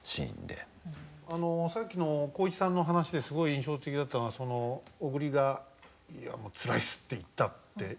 あのさっきの浩市さんの話ですごい印象的だったのは小栗が「つらいっす」って言ったって。